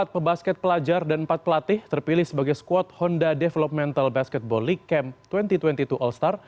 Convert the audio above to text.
empat pebasket pelajar dan empat pelatih terpilih sebagai squad honda developmental basketball league camp dua ribu dua puluh dua all star